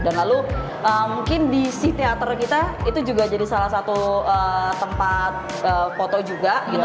dan lalu mungkin di si teater kita itu juga jadi salah satu tempat foto juga gitu